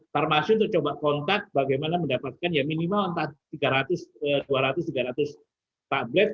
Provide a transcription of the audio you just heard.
termasuk untuk coba kontak bagaimana mendapatkan ya minimal entah dua ratus tiga ratus tablet